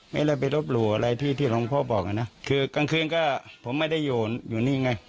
ไม่ได้ไปรบหลู่อะไรที่ที่หลวงพ่อบอกอ่ะนะคือกลางคืนก็ผมไม่ได้อยู่อยู่นี่ไง